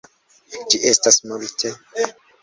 Ĝi estas multe.